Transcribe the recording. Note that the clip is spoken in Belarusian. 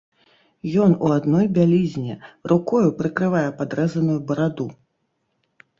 Ён у адной бялізне, рукою прыкрывае падрэзаную бараду.